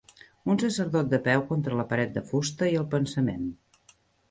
un sacerdot de peu contra la paret de fusta i el pensament